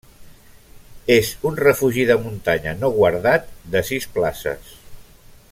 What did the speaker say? És un refugi de muntanya no guardat de sis places.